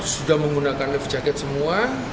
sudah menggunakan lift jacket semua